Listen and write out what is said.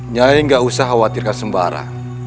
nyai tidak usah khawatirkan sembara